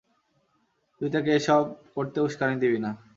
তুই তাকে এসব করতে উস্কানি দিবি না।